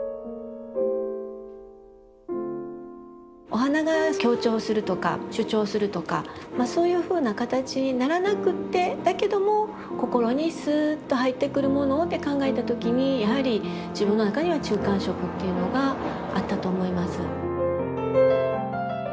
お花が強調するとか主張するとかそういうふうな形にならなくてだけども心にすっと入ってくるものをって考えた時にやはり自分の中には中間色というのがあったと思います。